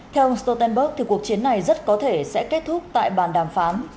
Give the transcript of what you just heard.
theo ông stoltenberg cuộc chiến này rất có thể sẽ kết thúc tại bàn đàm phán